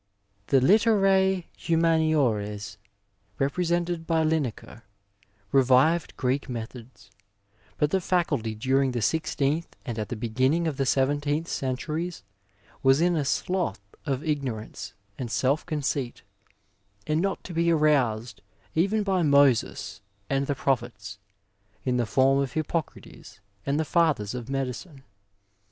The littercB humaniores, represented by Linacre, revived Greek methods ; but the Faculty during the sixteenth and at the beginning of the seventeenth centuries was in a slough of ignorance and self conceit, and not to be aroused even by Moses and the prophets in the form of Hippoerates and the &thers of medicine.